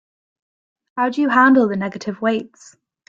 How do you handle the negative weights?